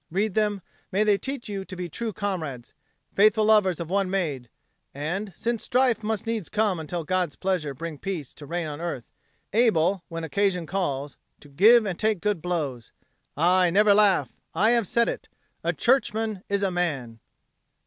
Read them; may they teach you to be true comrades, faithful lovers of one maid, and, since strife must needs come until God's pleasure bring peace to reign on earth, able, when occasion calls, to give and take good blows. Aye, never laugh. I have said it. A Churchman is a man.